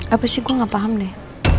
apa sih gue gak paham deh